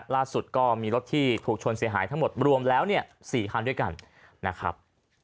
ล่าสุดก็มีรถที่ถูกชนเสียหายทั้งหมดรวมแล้ว๔คันด้วยกันนะครับ